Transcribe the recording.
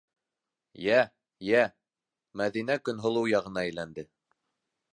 Йә, йә, - Мәҙинә Көнһылыу яғына әйләнде.